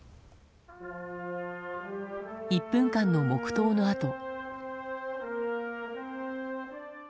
１分間の黙祷のあと。